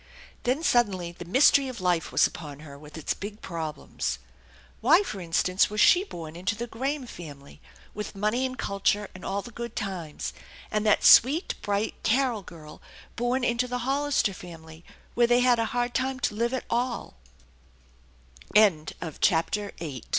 Then suddenly the mystery of life was upon her with its big problems. Why, for instance, was she born into the Graham family with money and culture and all the good times, and that sweet, bright Carol girl born into the Hollister family where they had